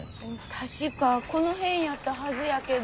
確かこの辺やったはずやけど。